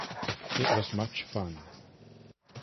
It was much fun.